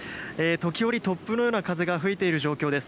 時折、突風のような強い風が吹いている状況です。